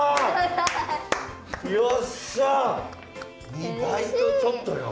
２倍とちょっとよ。